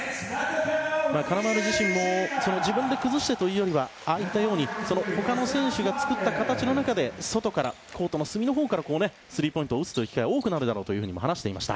金丸自身も自分で崩してというよりはああいったように他の選手が作った形の中で外からコートの隅のほうからスリーポイントを打つという機会多くなるだろうと話していました。